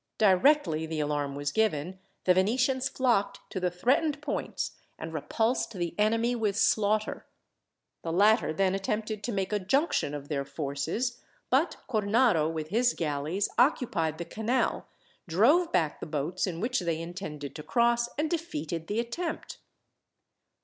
Directly the alarm was given, the Venetians flocked to the threatened points, and repulsed the enemy with slaughter. The latter then attempted to make a junction of their forces, but Cornaro with his galleys occupied the canal, drove back the boats in which they intended to cross, and defeated the attempt.